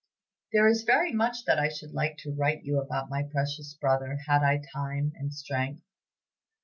"There is very much that I should like to write you about my precious brother had I time and strength.